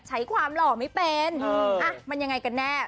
ใช้ความหล่อไม่เป็นมันยังไงกันแน่